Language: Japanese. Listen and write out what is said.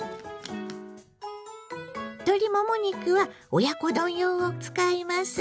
鶏もも肉は親子丼用を使います。